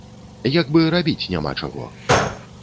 Як бы рабіць няма чаго.